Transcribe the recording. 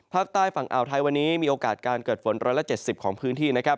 ภาคใต้ฝั่งอ่าวไทยมีโอกาสการเกิดฝน๑๗๐ของพื้นที่